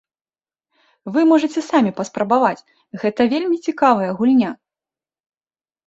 Вы можаце самі паспрабаваць, гэта вельмі цікавая гульня!